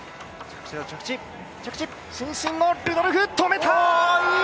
伸身のルドルフ、止めた！